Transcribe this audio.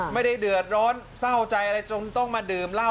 ไม่ได้เดือดร้อนเศร้าใจอะไรจนต้องมาดื่มเหล้า